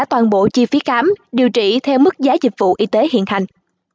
bảo chi phí khám điều trị theo mức giá dịch vụ y tế hiện hành